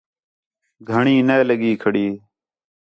گھݨیں نَے لڳی کھڑی